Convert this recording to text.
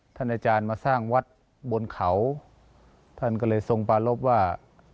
ท่านอาจารย์มาสร้างวัดบนเขาท่านก็เลยทรงปารพว่า